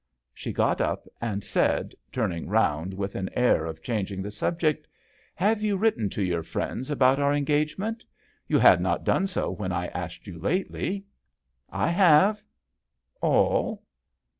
8 1 She got up, and said, turning round with an air of changing the subject, " Have you written to your friends about our engage ment ? You had not done so when I asked you lately." " I have." " "All?"